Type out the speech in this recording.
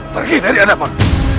pergi dari ada pak